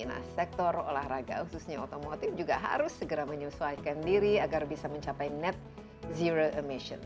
nah sektor olahraga khususnya otomotif juga harus segera menyesuaikan diri agar bisa mencapai net zero emission